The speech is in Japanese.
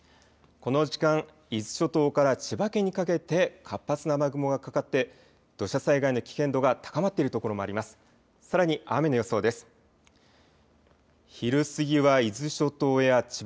この時間、伊豆諸島から千葉県にかけて活発な雨雲がかかって土砂災害の危険度が高まっているところもあります。